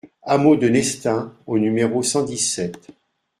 Hameau de Nestin au numéro cent dix-sept